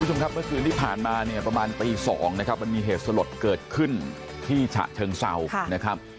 คุณผู้ชมครับเมื่อคืนที่ผ่านมาประมาณปี๒มีเหตุสลดเกิดขึ้นที่ฉะเชิงเศร้า